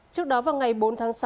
trước đó vào ngày bốn tháng sáu